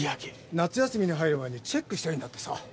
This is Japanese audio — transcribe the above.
夏休みに入る前にチェックしたいんだってさ。